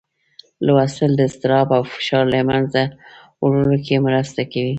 لوستل د اضطراب او فشار له منځه وړلو کې مرسته کوي.